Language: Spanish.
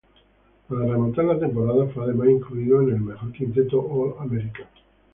Para rematar la temporada, fue además incluido en el mejor quinteto All-American.